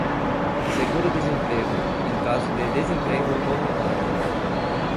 seguro-desemprego, em caso de desemprego involuntário;